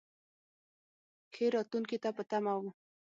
ښې راتلونکې ته په تمه و.